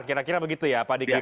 kira kira begitu ya pak diki